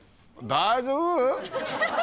大丈夫？